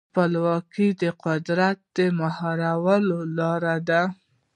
ولسواکي د قدرت د مهارولو لاره ده.